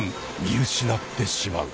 見失ってしまう。